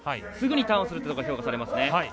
すぐにターンするというところ評価されますね。